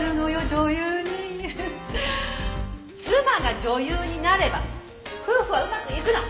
「妻が女優になれば夫婦はうまくいくの」